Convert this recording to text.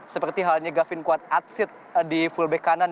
seperti halnya gavin kuat at seed di fullback kanan